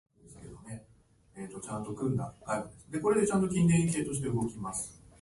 ががががががが。